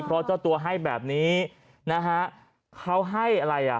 เพราะเจ้าตัวให้แบบนี้นะฮะเขาให้อะไรอ่ะ